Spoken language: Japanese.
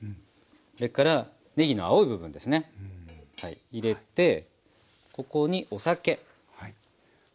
それからねぎの青い部分ですね入れてここにお酒。